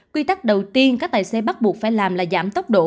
quy tắc đầu tiên các tài xế bắt buộc phải làm là giảm tốc độ